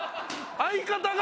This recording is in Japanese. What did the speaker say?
相方が。